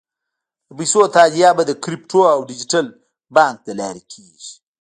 د پیسو تادیه به د کریپټو او ډیجیټل بانک له لارې کېږي.